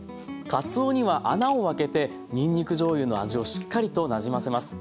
かつおには穴を開けてにんにくじょうゆの味をしっかりとなじませます。